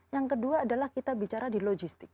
yang kedua adalah kita bicara di logistik